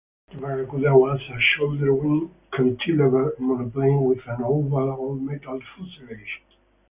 The Barracuda was a shoulder-wing cantilever monoplane with an oval, all-metal fuselage.